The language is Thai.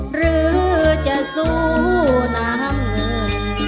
หรือจะสู้น้ำเงิน